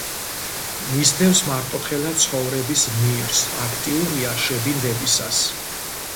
მისდევს მარტოხელა ცხოვრების ნირს, აქტიურია შებინდებისას.